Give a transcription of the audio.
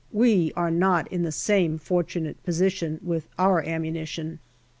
We are not in the same fortunate position with our ammunition.